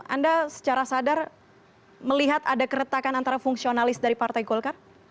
anda secara sadar melihat ada keretakan antara fungsionalis dari partai golkar